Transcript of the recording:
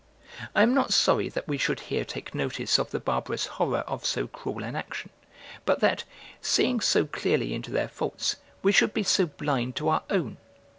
I am not sorry that we should here take notice of the barbarous horror of so cruel an action, but that, seeing so clearly into their faults, we should be so blind to our own.